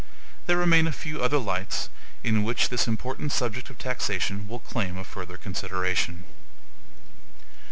There remain a few other lights, in which this important subject of taxation will claim a further consideration.